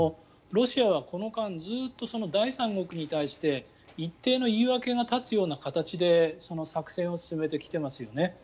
ロシアはこの間、ずっと第三国に対して一定の言い訳が立つような形で作戦を進めてきていますよね。